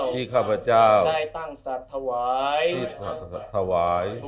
พี่ข้าพเจ้า